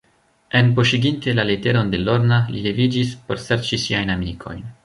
Enpoŝiginte la leteron de Lorna, li leviĝis, por serĉi siajn amikojn.